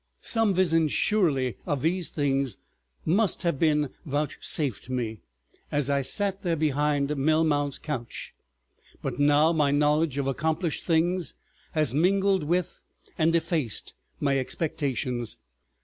... Some vision surely of these things must have been vouchsafed me as I sat there behind Melmount's couch, but now my knowledge of accomplished things has mingled with and effaced my expectations.